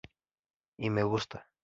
Y me gusta.